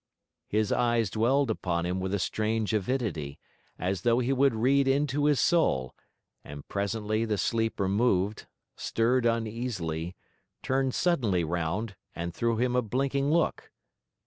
His eyes dwelled upon him with a strange avidity, as though he would read into his soul; and presently the sleeper moved, stirred uneasily, turned suddenly round, and threw him a blinking look.